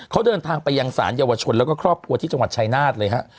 เขาเดินทางไปยังสารเยาวชนแล้วก็ครอบครัวที่จังหวัดชายนาฏเลยฮะ